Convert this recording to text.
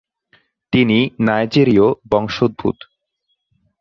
তিনি নাইজেরীয় বংশোদ্ভূত।